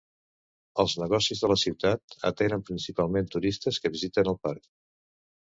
Els negocis de la ciutat atenen principalment turistes que visiten el parc.